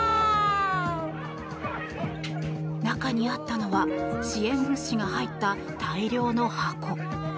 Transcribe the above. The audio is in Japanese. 中にあったのは支援物資が入った大量の箱。